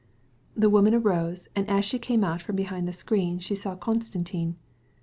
The woman rose, came out from behind the screen, and saw Konstantin.